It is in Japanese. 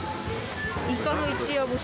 イカの一夜干し。